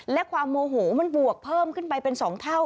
และความโมโหมันบวกเพิ่มขึ้นไปเป็น๒เท่า